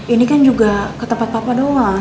ini kan juga ke tempat papa doang